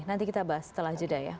nanti kita bahas setelah jeda ya